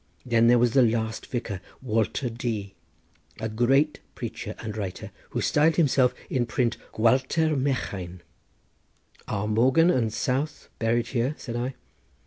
Then there was the last vicar, Walter D—, a great preacher and writer, who styled himself in print Gwalter Mechain." "Are Morgan and South buried here?" said I.